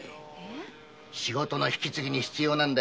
仕事の引き継ぎに必要なんだ。